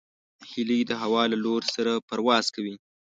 هیلۍ د هوا له لور سره پرواز کوي